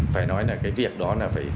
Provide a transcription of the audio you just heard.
phải nói là cái việc đó là phải